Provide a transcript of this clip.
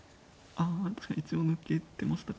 あ確かに一応抜けてましたか